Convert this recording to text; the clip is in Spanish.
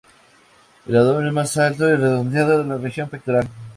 El abdomen es más alto y redondeado que la región pectoral.